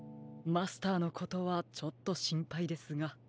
マスターのことはちょっとしんぱいですが。